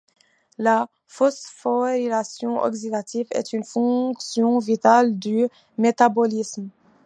La phosphorylation oxydative est une fonction vitale du métabolisme.